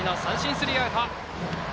スリーアウト。